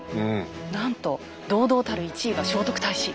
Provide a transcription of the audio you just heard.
なんと堂々たる１位は聖徳太子。